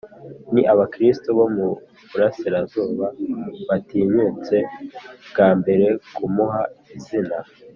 ni abakristu bo mu burasirazuba batinyutse bwa mbere kumuha izina